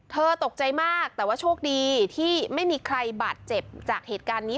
ตกใจมากแต่ว่าโชคดีที่ไม่มีใครบาดเจ็บจากเหตุการณ์นี้